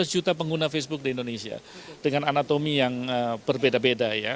lima belas juta pengguna facebook di indonesia dengan anatomi yang berbeda beda ya